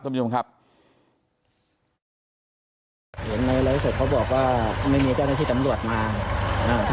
เห็นในไร้ส่วนเขาบอกว่าไม่มีเจ้าหน้าที่ตำรวจมา